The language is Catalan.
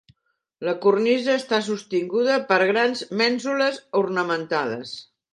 La cornisa està sostinguda per grans mènsules ornamentades.